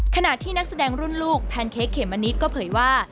ขณะที่นักแสดงรุ่นลูกแพนเค้กเขมมะนิดก็เผยว่า